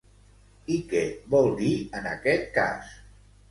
I què vol dir en aquest cas?